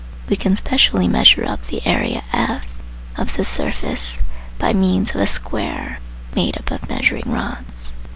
We can specially measure up the area (F) of this surface by means of a square made up of measuring rods.